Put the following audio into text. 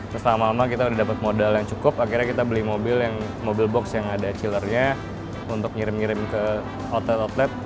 terus lama lama kita udah dapat modal yang cukup akhirnya kita beli mobil box yang ada chillernya untuk ngirim ngirim ke hotel outlet